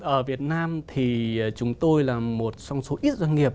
ở việt nam thì chúng tôi là một trong số ít doanh nghiệp